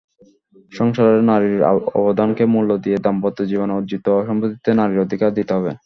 সংসারে নারীর অবদানকে মূল্য দিয়ে দাম্পত্য জীবনে অর্জিত সম্পত্তিতে নারীর অধিকার দিতে হবে।